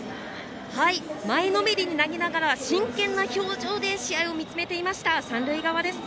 前のめりになりながら真剣な表情で試合を見つめていました三塁側です。